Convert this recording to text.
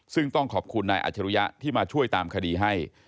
ซึ่งต้องขอบคุณนายอัชรุยะที่มาช่วยตามคดีให้